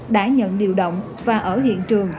đã nhận điều động và ở hiện trường